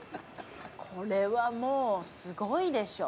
これはもう、すごいでしょう。